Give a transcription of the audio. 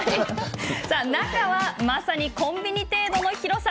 中は、まさにコンビニ程度の広さ。